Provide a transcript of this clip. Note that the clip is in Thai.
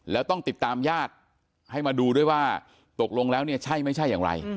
แล้วต้องติดตามญาติให้มาดูด้วยว่าตกลงแล้วเนี่ยใช่ไม่ใช่อย่างไร